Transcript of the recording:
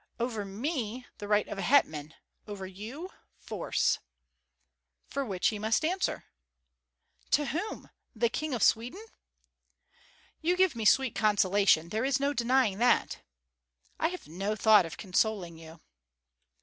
"Over me, the right of a hetman; over you, force!" "For which he must answer." "To whom, to the King of Sweden?" "You give me sweet consolation; there is no denying that!" "I have no thought of consoling you."